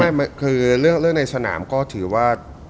ไม่คือเรื่องในสนามก็ถือว่า